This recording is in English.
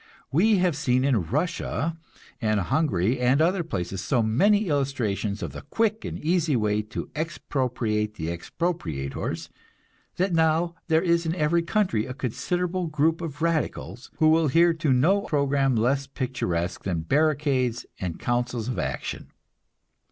We have seen in Russia and Hungary and other places, so many illustrations of the quick and easy way to expropriate the expropriators that now there is in every country a considerable group of radicals who will hear to no program less picturesque than barricades and councils of action.